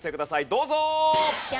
どうぞ！